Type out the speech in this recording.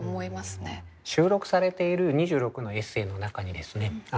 収録されている２６のエッセーの中にですね